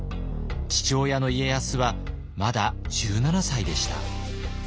父親の家康はまだ１７歳でした。